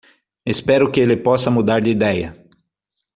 Espero que ele possa mudar de ideia.